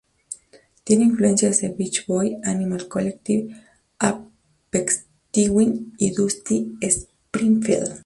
Tiene influencias de Beach Boys, Animal Collective, Aphex Twin o Dusty Springfield.